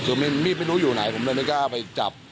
คือมีดไม่รู้อยู่ไหนผมเลยไม่กล้าไปจับ